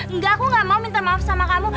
enggak aku gak mau minta maaf sama kamu